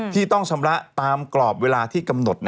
ที่ต้องชำระตามกรอบเวลาที่กำหนด